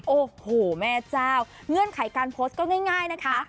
โอ้โหแม่เจ้าเงื่อนไขการโพสต์ก็ง่ายนะคะ